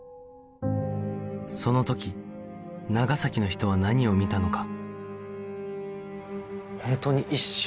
その時長崎の人は何を見たのか